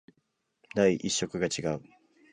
第一色が違う